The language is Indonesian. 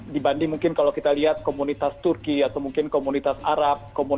dibanding mungkin kalau kita lihat komunitas turki atau mungkin komunitas arab